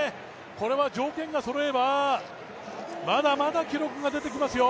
これは条件がそろえば、まだまだ記録が伸びてきますよ。